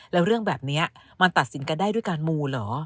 แล้วเรื่องแบบนี้มันตัดสินกันได้ด้วยการมูเหรอ